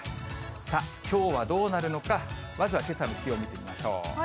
さあ、きょうはどうなるのか、まずはけさの気温見てみましょう。